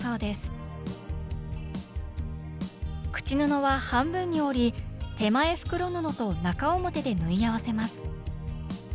口布は半分に折り手前袋布と中表で縫い合わせます。